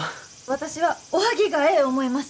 私はおはぎがええ思います！